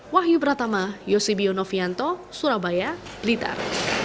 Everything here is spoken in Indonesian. wahyu pratama yosibio novianto surabaya blitar